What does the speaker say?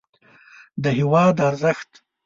د هېواد ارزښت